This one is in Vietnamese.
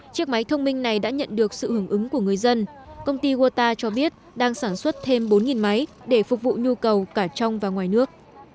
chiếc máy thông minh này đã nhận được sự hưởng ứng của người dân công ty wota cho biết đang sản xuất thêm bốn máy để phục vụ nhu cầu cả trong và ngoài nước